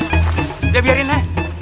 udah biarin ya